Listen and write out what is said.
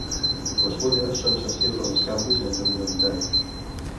Les fulles són sensibles als canvis en lluminositat.